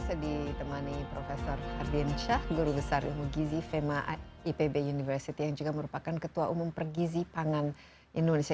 saya ditemani prof hardin shah guru besar ilmu gizi fema ipb university yang juga merupakan ketua umum pergizi pangan indonesia